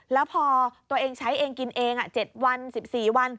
แล้วพอตัวเองใช้เองกินเอง๗วัน๑๔วัน